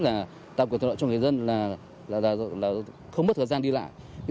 là tạo quyền thuận lợi cho người dân là không mất thời gian đi lại